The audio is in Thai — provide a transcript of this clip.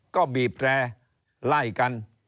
ก็บีบแร่ไล่กัน